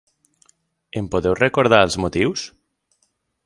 En podeu recordar els motius?